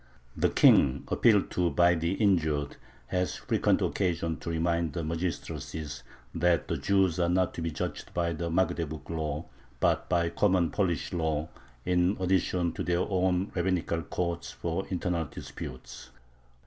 The king, appealed to by the injured, has frequent occasion to remind the magistracies that the Jews are not to be judged by the Magdeburg Law, but by common Polish law, in addition to their own rabbinical courts for internal disputes.